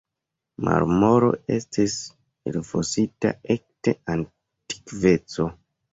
Marmoro estis elfosita ekde antikveco.